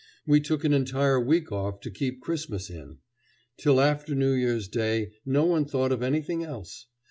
We took an entire week off to keep Christmas in. Till after New Year's Day no one thought of anything else.